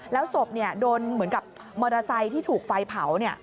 แล้วศพโดนเหมือนกับมอเตอร์ไซค์ที่ถูกไฟเผา